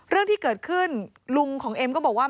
เรื่องที่เกิดขึ้นลุงของเอ็มก็บอกว่า